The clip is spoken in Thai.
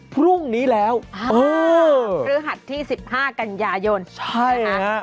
พรุ่งนี้แล้วเออคือหัดที่๑๕กันยายนใช่ไหมฮะ